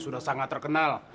sudah sangat terkenal